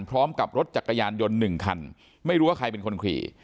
พร้อมกับรถจักรยานยนต์๑คันไม่รู้ว่าใครเป็นคนขี่